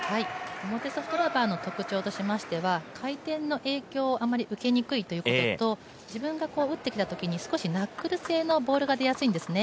表ソフトラバーの特徴としましては回転の影響をあまり受けにくいということと自分が打ったときに少しナックル性のボールが出やすいんですね。